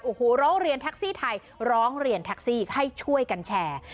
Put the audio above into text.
โอ้โหร้องเรียนแท็กซี่ไทยร้องเรียนแท็กซี่ให้ช่วยกันแชร์